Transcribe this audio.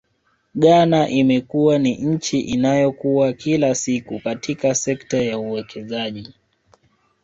Ghana imekuwa ni nchi inayokua kila siku katika sekta ya uwekezaji